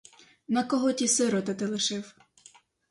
На кого ті сироти ти лишив?